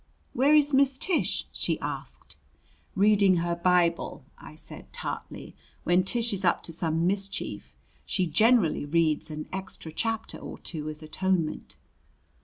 "Where is Miss Tish?" she asked. "Reading her Bible," I said tartly. "When Tish is up to some mischief, she generally reads an extra chapter or two as atonement."